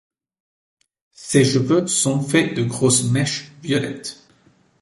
Ses cheveux sont faits de grosses mèches violettes.